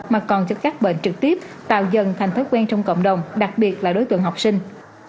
mà còn cho các bệnh trực tiếp tạo dần thành thói quen trong cộng đồng đặc biệt là đối tượng học sinh